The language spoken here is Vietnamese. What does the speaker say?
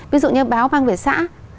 ví dụ như báo mang về xã